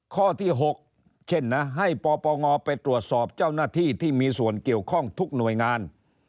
ข้อที่๖เช่นนะให้ปปงไปตรวจสอบเจ้าหน้าที่ที่มีส่วนเกี่ยวข้องทุกหน่วยงาน